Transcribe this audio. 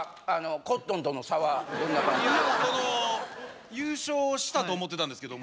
コットンとの差はどんな感じでいやその優勝したと思ってたんですけど